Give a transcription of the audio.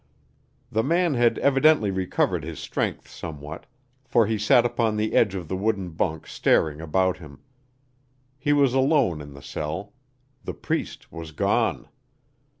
The man had evidently recovered his strength somewhat, for he sat upon the edge of the wooden bunk staring about him. He was alone in the cell the Priest was gone!